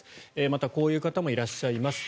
また、こういう方もいらっしゃいます。